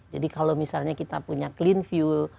jadi kalau misalnya kita punya clean fuel